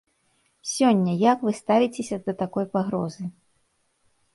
Сёння як вы ставіцеся да такой пагрозы?